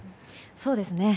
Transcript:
そうですね。